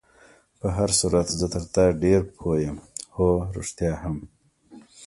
په هر صورت زه تر تا ډېر پوه یم، هو، رښتیا هم.